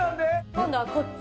今度はこっち。